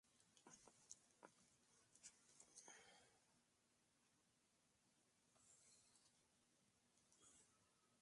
Estos animales silvestres se encuentran preferentemente en los parques nacionales de la región.